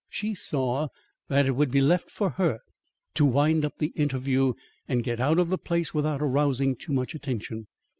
She saw that it would be left for her to wind up the interview and get out of the place without arousing too much attention.